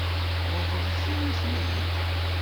Ṛeḍlen-iyi-ten-id?